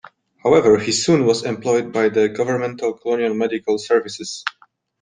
However he soon was employed by the governmental Colonial Medical Services.